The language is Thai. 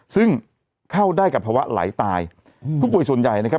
ซึ่งเข้าได้กับภาวะไหลตายอืมผู้ป่วยส่วนใหญ่นะครับ